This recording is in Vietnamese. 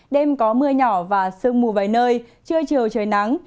đêm có mưa nhỏ và sương mù vài nơi trưa chiều trời nắng